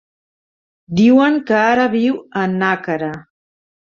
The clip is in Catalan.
Diuen que ara viu a Nàquera.